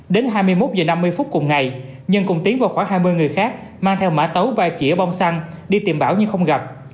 đến hai mươi một h năm mươi cùng ngày nhân cùng tiến vào khoảng hai mươi người khác mang theo mã tấu và chỉa bông xăng đi tìm bảo nhưng không gặp